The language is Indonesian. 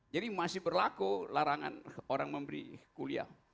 jadi masih berlaku larangan orang memberi kuliah